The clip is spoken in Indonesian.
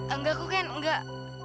enggak ken enggak